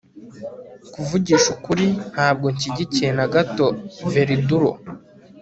kuvugisha ukuri, ntabwo nshyigikiye na gato verdulo